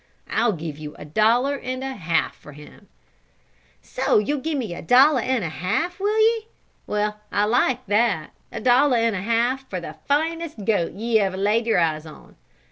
I'll give you a dollar and a half for him." "So ye'll give me a dollar and a half, will ye? Well I like that a dollar and a half for the finest goat ye ever laid your two eyes on!